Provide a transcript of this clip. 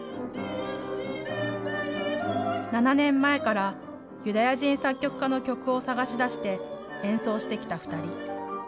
７年前から、ユダヤ人作曲家の曲を探し出して、演奏してきた２人。